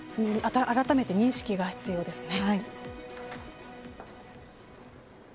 あらためて認識が必要ですね。